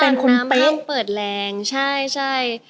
เป็นคนเป๊ะน้ำห้ามเปิดแรงใช่